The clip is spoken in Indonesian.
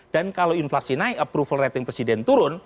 dan kalau inflasi naik approval rating presiden turun